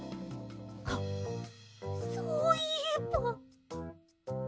はっそういえば。